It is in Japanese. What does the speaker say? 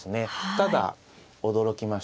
ただ驚きました。